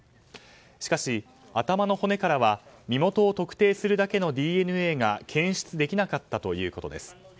しかし、頭の骨からは身元を特定するだけのＤＮＡが検出できなかったということです。